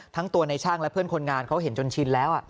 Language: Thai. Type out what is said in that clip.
ทั้งตัวในช่างและเพื่อนคนงานเขาเห็นจนชินแล้ว